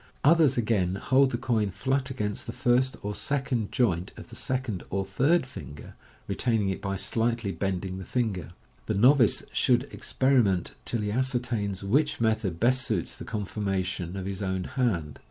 Others, again, hold the coin flat against the first or second joint of the second or third finger, retaining it by slightly bending the finger. The novice should experiment till he ascertains which method best suits the conformation of his own hand.